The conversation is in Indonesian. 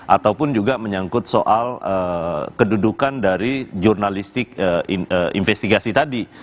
ataupun juga menyangkut soal kedudukan dari jurnalistik investigasi tadi